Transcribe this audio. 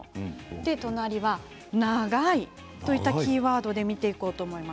隣は長いといったキーワードで見ていこうと思います。